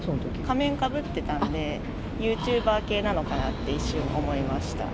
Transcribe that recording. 仮面かぶってたんで、ユーチューバー系なのかなって一瞬思いました。